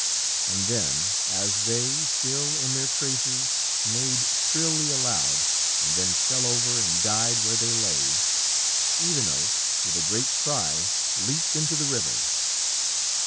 And then, as they, still in their traces, neighed shrilly aloud, and then fell over and died where they lay, Evenos, with a great cry, leaped into the river.